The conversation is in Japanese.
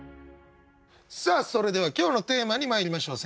さあそれでは今日のテーマにまいりましょう。